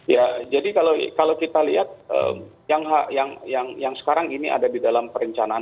ya jadi kalau kita lihat yang sekarang ini ada di dalam perencanaan